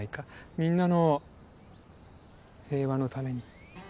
みんなの平和のために。